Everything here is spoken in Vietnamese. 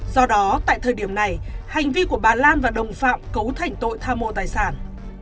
do đó tại thời điểm này hành vi của bà lan và đồng phạm cấu thành tội tha mô tài sản